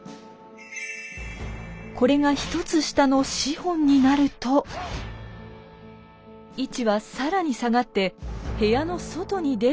これが１つ下の「四品」になると位置は更に下がって部屋の外に出ることに。